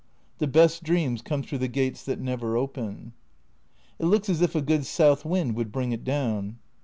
The best dreams come through the gates that never open." " It looks as if a good south wind would bring it down."